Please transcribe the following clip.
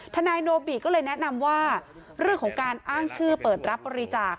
ทนายโนบิก็เลยแนะนำว่าเรื่องของการอ้างชื่อเปิดรับบริจาค